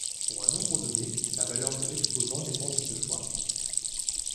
Pour un nombre donné, la valeur de l'exposant dépend de ce choix.